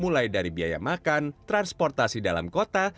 mulai dari biaya makan transportasi dalam kota